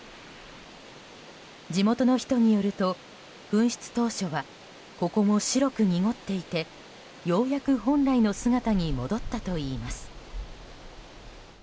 地元の人によると、噴出当初はここも白く濁っていてようやく本来の姿に戻ったといいます。